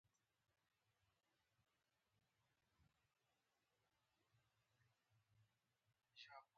که داسې وشي د فرد بالذات غایه نقضیږي.